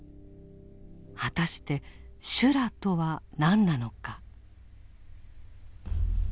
果たして「修羅」とは何なのか。